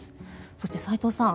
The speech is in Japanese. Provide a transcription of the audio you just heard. そして、斎藤さん